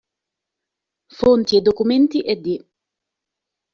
Fonti e documenti" ed.